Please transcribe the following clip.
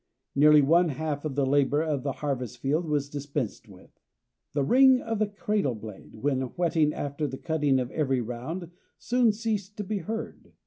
Nearly one half of the labor of the harvest field was dispensed with; the ring of the cradle blade, when whetting after the cutting of every round, soon ceased to be heard.